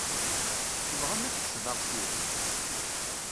Tebɣam ad ḥesbeɣ ti?